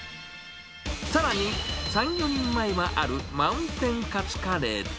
さらに、３、４人前はあるマウンテンカツカレーと、